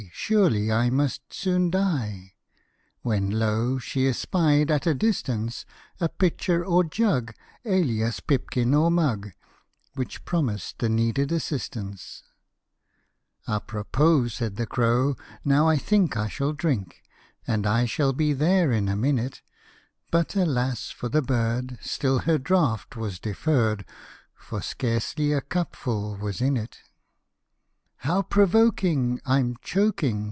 Surely I must soon die," When lo ! she espied, at a distance, A pitcher or jug, alias pipkin or mug, Which promised the needed assistance* '" A propos" said the crow> " Now I think I shall drink, And I shall be there in a minute ;" But alas \ for the bird, still her draught was deferr'd> For scarcely a cup full was in it. " How provoking ! I'm choaking